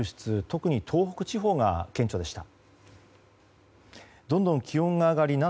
特に東北地方が顕著でした。